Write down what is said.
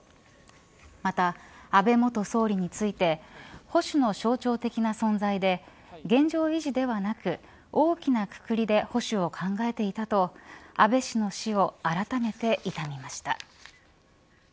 また安倍元総理について保守の象徴的な存在で現状維持ではなく大きなくくりで保守を考えていたと安倍氏の死をあらためて悼みました。